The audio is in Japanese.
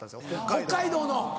北海道の。